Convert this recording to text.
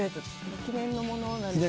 記念のものなので。